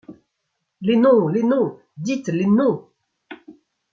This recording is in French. Les noms ! les noms ! dites les noms !